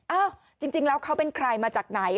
อ้าวจริงแล้วเขาเป็นใครมาจากไหน